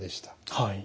はい。